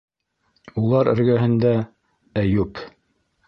Улар эргәһендә - Әйүп.